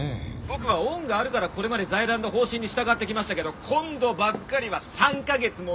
僕は恩があるからこれまで財団の方針に従ってきましたけど今度ばっかりは３カ月も無理です！